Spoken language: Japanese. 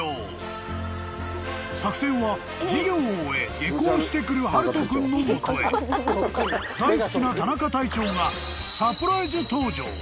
［作戦は授業を終え下校してくる大翔君の元へ大好きな田中隊長が］